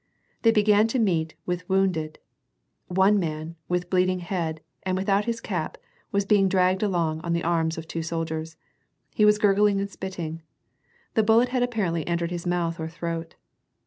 They began to meet with wounded. One man, with a bleeding head, and without his cap, was being dragged along in the arms of two soldiers. He was gurgling and spitting. The bullet had apparently entered his mouth or throat.